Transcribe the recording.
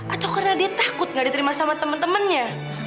atau karena dia takut gak diterima sama temen temennya